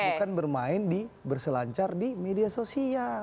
bukan bermain di berselancar di media sosial